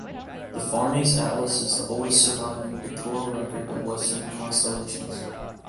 The Farnese Atlas is the oldest surviving pictorial record of Western constellations.